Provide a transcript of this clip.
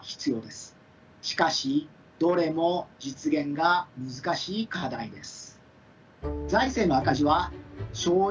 しかしどれも実現が難しい課題です。